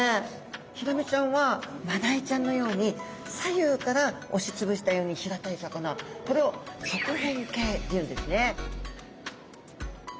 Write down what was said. ヒラメちゃんはマダイちゃんのように左右から押し潰したように平たい魚これを側扁形というんですね。